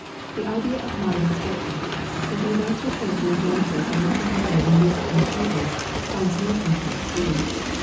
The idea of modern sceptics, that the events recorded in Genesis are nothing better than myths and fables, finds no countenance here.